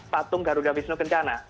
patung garuda wisnu kencana